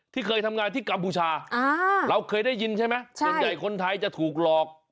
เคยทำงานที่กัมพูชาเราเคยได้ยินใช่ไหมส่วนใหญ่คนไทยจะถูกหลอก